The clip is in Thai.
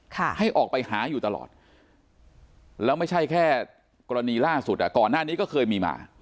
ให้ออกไปหาอยู่ตลอดแล้วไม่ใช่แค่กรณีล่าสุดอ่ะก่อนหน้านี้ก็เคยมีมา